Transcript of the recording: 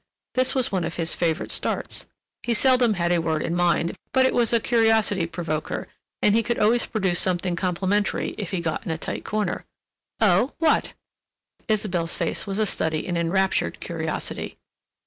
This was one of his favorite starts—he seldom had a word in mind, but it was a curiosity provoker, and he could always produce something complimentary if he got in a tight corner. "Oh—what?" Isabelle's face was a study in enraptured curiosity.